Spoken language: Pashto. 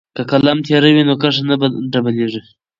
که قلم تیره وي نو کرښه نه ډبلیږي.